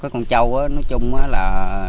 còn trâu nói chung là